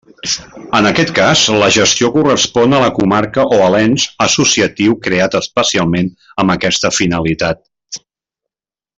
En aquest cas, la gestió correspon a la comarca o a l'ens associatiu creat especialment amb aquesta finalitat.